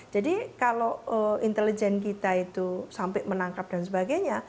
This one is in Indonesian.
jadi kalau intelijen kita itu sampai menangkap dan sebagainya